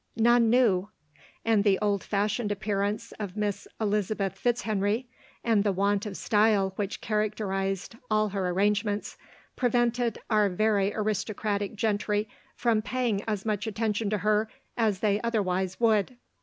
None knew ; and the old fashioned appearance of Mrs. Eliza beth Fitzhenrv, and the want of style which characterized all her arrangements, prevented our very aristocratic gentry from paying as much attention to her as they otherwise would.